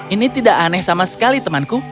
ini tidak aneh sama sekali temanku